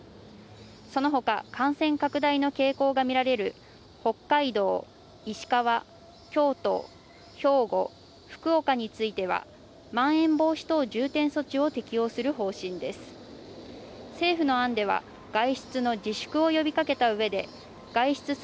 その他、感染拡大の傾向がみられる北海道、石川、京都、兵庫、福岡については、まん延防止等重点措置を適用する方針です。